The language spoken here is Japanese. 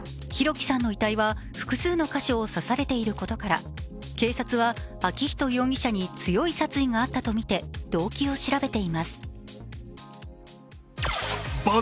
輝さんの遺体は複数の箇所を刺されていることから警察は昭仁容疑者に強い殺意があったとみて動機を調べています。